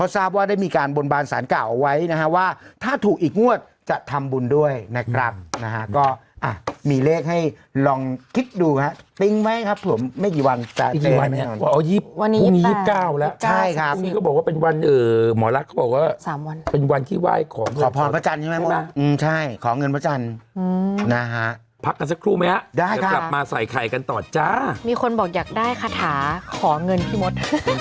ใช่ครับผมไม่กี่วันวันนี้ยี่สิบเก้าแล้วใช่ครับวันนี้ก็บอกว่าเป็นวันเออหมอลักษณ์ก็บอกว่าสามวันเป็นวันที่ไหว้ขอเงินขอพรพระจันทร์ใช่ไหมครับอืมใช่ขอเงินพระจันทร์อืมนะฮะพักกันสักครู่ไหมฮะได้ค่ะเดี๋ยวกลับมาใส่ไข่กันต่อจ้ามีคนบอกอยากได้คาถาขอเงินพี่มด